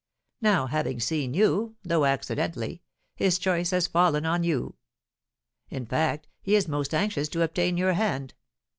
Now, having seen you, though accidentally, his choice has fallen on you. In fact, he is most anxious to obtain your hand.